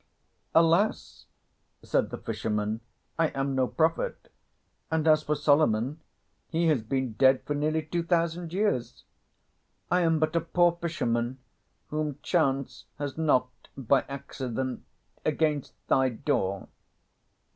"Alas!" said the fisherman, "I am no prophet; and as for Solomon, he has been dead for nearly two thousand years. I am but a poor fisherman whom chance has knocked by accident against thy door."